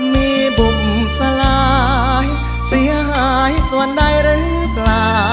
มีบุ่มสลายเสียหายส่วนใดหรือเปล่า